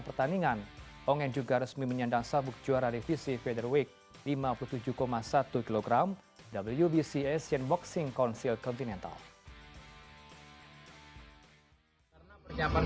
pertandingan ongen juga resmi menyandang sabuk juara revisi featherweight lima puluh tujuh satu kg wbc asian boxing council continental